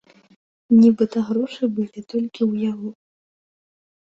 Нібыта грошы былі толькі ў яго.